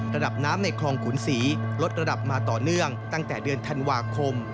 ระดับน้ำในคลองขุนศรีลดระดับมาต่อเนื่องตั้งแต่เดือนธันวาคม